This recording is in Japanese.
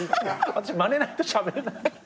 私まねないとしゃべれない。